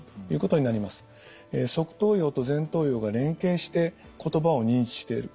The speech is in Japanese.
側頭葉と前頭葉が連携して言葉を認知している。